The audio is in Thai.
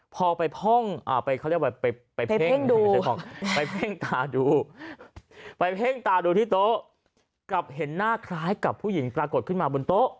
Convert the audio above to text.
พอไปเพ่งตาดูที่โต๊ะกลับเห็นหน้าคล้ายกับผู้หญิงปรากฏขึ้นมาบนโต๊ะ